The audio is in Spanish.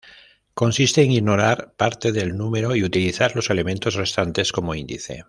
Consiste en ignorar parte del número y utilizar los elementos restantes como índice.